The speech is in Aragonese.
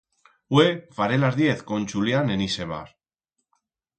Hue faré las diez con Chulián en ixe bar.